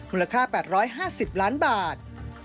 มูลค่า๘๕๐ล้านบาท